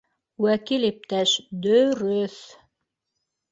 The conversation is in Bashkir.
— Вәкил иптәш, дө-рө-өҫ